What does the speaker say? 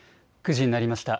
９時になりました。